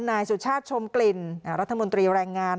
นายสุชาติชมกลิ่นรัฐมนตรีแรงงาน